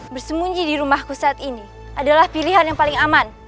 bersembunyi di rumahku saat ini adalah pilihan yang paling aman